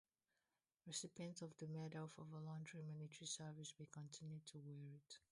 Recipients of the Medal for voluntary military service may continue to wear it.